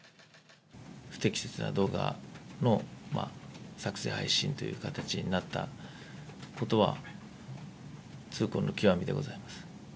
不適切な動画の作成・配信という形になったことは、痛恨の極みでございます。